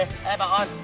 eh mbak on